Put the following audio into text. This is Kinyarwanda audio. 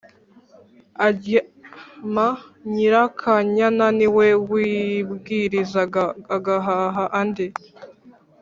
aryama. Nyirakanyana ni we wibwirizaga agahaha andi